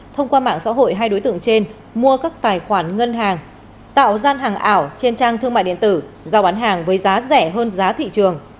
thông qua mạng xã hội hai đối tượng trên mua các tài khoản ngân hàng tạo gian hàng ảo trên trang thương mại điện tử giao bán hàng với giá rẻ hơn giá thị trường